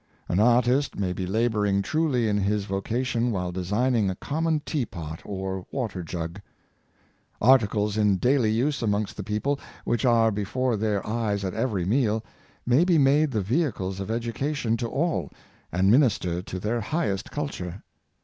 An artist may be laboring truly in his vocation while de signing a common teapot or water jug. Articles in daily use amongst the people, which are before their eyes at every meal, may be made the vehicles of edu cation to all, and minister to their highest culture.